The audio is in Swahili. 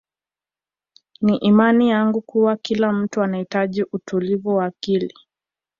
Ni imani yangu kuwa kila mtu anahitaji utulivu wa akili